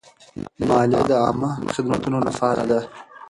مالیه د عامه خدمتونو لپاره ده.